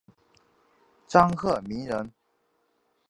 张鹤鸣人。